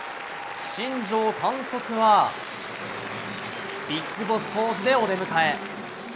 新庄監督はビッグボスポーズでお出迎え。